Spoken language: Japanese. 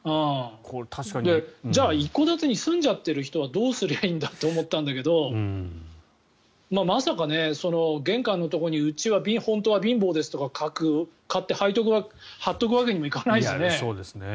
じゃあ一戸建てに住んじゃっている人はどうすればいいんだって思ったんだけどまさか、玄関のところにうちは本当は貧乏ですって書いて貼っておくわけにもいかないしね。